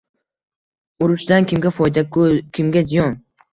Urushdan kimga foyda-yu, kimga ziyon.